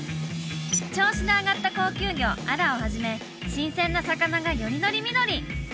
銚子で揚がった高級魚アラをはじめ新鮮な魚がより取り見取り